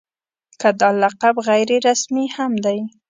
که دا لقب غیر رسمي هم دی.